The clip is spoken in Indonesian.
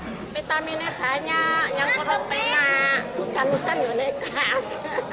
sehat vitaminnya banyak yang teropena hujan hujan juga nekat